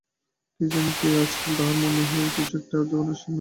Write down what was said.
কি জানি কেন আজকাল তাহার মনে হয় একটা কিছু তাহার জীবনে শীঘ্ন ঘটিবে।